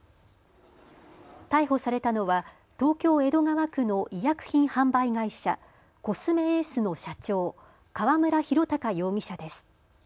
逮捕されたのは東京江戸川区の医薬品販売会社コスメエースの社長、河邨弘隆容疑者です。